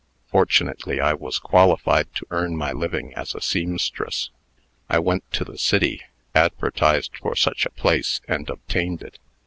"Fortunately, I was qualified to earn my living as a seamstress. I went to the city, advertised for such a place, and obtained it.